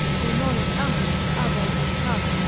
Qui monet amat, Ave et cave.